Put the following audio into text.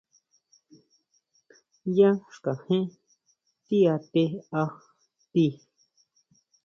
Yá xkajén ti atetʼa tíi.